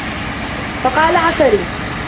فَقَالَ عَفِّرِي